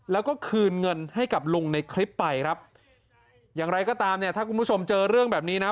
แล้วก็คืนเงินให้กับลุงในคลิปไปครับอย่างไรก็ตามเนี่ยถ้าคุณผู้ชมเจอเรื่องแบบนี้นะ